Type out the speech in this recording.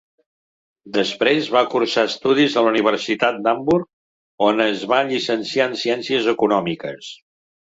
Després va cursar estudis a la Universitat d'Hamburg, on es va llicenciar en ciències econòmiques.